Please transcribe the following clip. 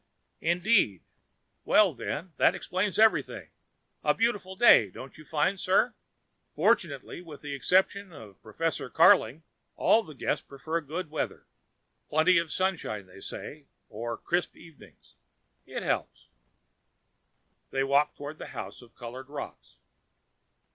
"Indeed? Well then, that explains everything. A beautiful day, don't you find, sir? Fortunately, with the exception of Professor Carling, all the Guests preferred good weather. Plenty of sunshine, they said, or crisp evening. It helps." They walked toward a house of colored rocks.